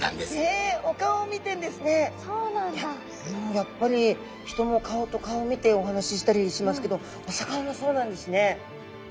やっぱり人も顔と顔を見てお話ししたりしますけどお魚もそうなんですね。